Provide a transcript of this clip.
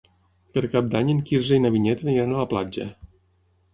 Per Cap d'Any en Quirze i na Vinyet aniran a la platja.